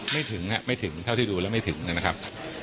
ไม่ถึงไม่ถึงเท่าที่ดูแล้วไม่ถึงนะครับ